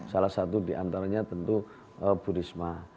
salah satu diantaranya tentu bu risma